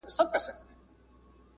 د اسلامي نظام تعریف نه دی کړی